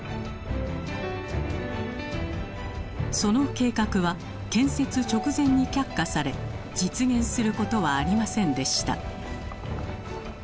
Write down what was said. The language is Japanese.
その計画は建設直前に却下され実現することはありませんでした。